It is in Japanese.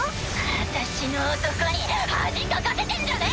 私の男に恥かかせてんじゃねぇ！